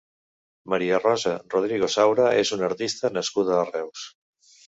Maria Rosa Rodrigo Saura és una artista nascuda a Reus.